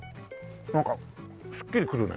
なんかすっきりくるね。